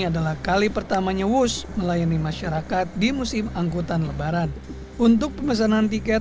adalah kali pertamanya wush melayani masyarakat di musim angkutan lebaran untuk pemesanan tiket